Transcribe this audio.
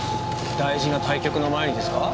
大事な対局の前にですか？